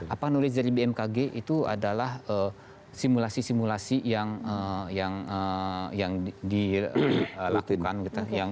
apa knowledge dari bmkg itu adalah simulasi simulasi yang dilakukan gitu